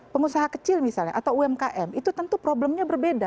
pengusaha kecil misalnya atau umkm itu tentu problemnya berbeda